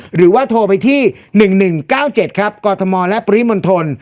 หรือว่าโทรไปที่๑๑๙๗ครับกรทมและปริมณฑล